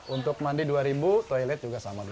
untuk mandi dua ribu toilet juga sama dua ribu